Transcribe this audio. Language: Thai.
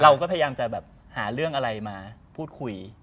เราก็พยายามจะแบบหาเรื่องอะไรมาพูดคุย